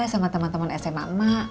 sama teman teman sma emak